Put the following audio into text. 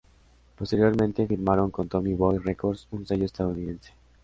Posteriormente, firmaron con Tommy Boy Records, un sello estadounidense.